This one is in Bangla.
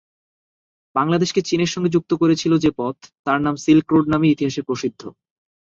বাংলাদেশকে চীনের সঙ্গে যুক্ত করেছিল যে পথ, তার নাম সিল্ক রোড নামে ইতিহাসে প্রসিদ্ধ।